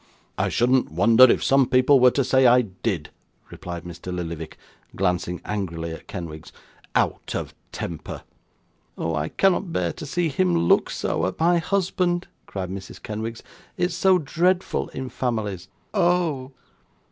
'I shouldn't wonder if some people were to say I did,' replied Mr Lillyvick, glancing angrily at Kenwigs. 'Out of temper!' 'Oh! I cannot bear to see him look so, at my husband,' cried Mrs Kenwigs. 'It's so dreadful in families. Oh!